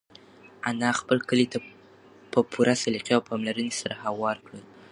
انا خپل کالي په پوره سلیقې او پاملرنې سره هوار کړل.